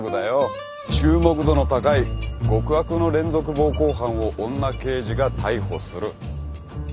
注目度の高い極悪の連続暴行犯を女刑事が逮捕する。